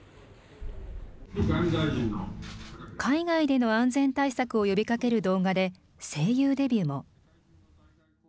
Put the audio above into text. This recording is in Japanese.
海外での安全対策を呼びかける動画で、声優デビューも。